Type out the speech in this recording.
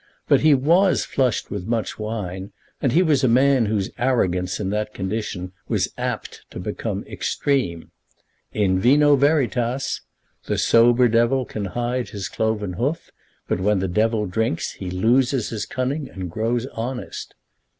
But he was flushed with much wine, and he was a man whose arrogance in that condition was apt to become extreme. "In vino veritas!" The sober devil can hide his cloven hoof; but when the devil drinks he loses his cunning and grows honest.